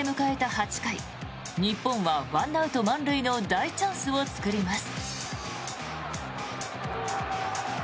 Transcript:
８回日本は１アウト満塁の大チャンスを作ります。